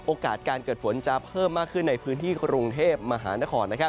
โอกาสการเกิดฝนจะเพิ่มมากขึ้นในพื้นที่กรุงเทพมหานคร